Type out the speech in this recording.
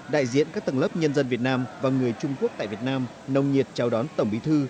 đại diện các tầng lớp nhân dân việt nam và người trung quốc tại việt nam nồng nhiệt chào đón tổng bí thư